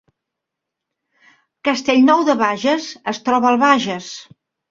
Castellnou de Bages es troba al Bages